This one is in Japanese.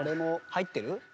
入ってる？